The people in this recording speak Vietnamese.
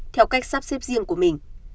theo cách sắp xếp riêng của mình